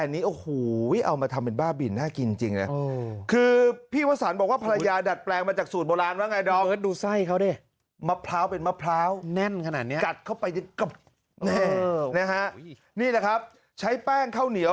นี่นะครับใช้แป้งข้าวเหนียว